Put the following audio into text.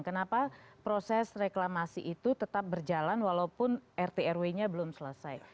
kenapa proses reklamasi itu tetap berjalan walaupun rt rw nya belum selesai